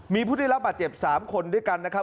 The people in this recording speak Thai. มีผู้ได้รับบาดเจ็บ๓คนด้วยกันนะครับ